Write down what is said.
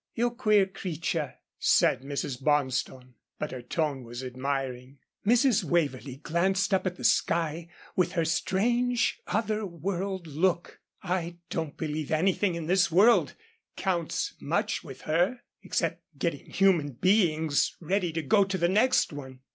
"You queer creature," said Mrs. Bonstone, but her tone was admiring. Mrs. Waverlee glanced up at the sky with her strange other world look. I don't believe anything in this world counts much with her, except getting human beings ready to go to the next one.